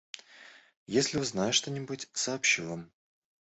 Если узнаю что-нибудь, сообщу вам.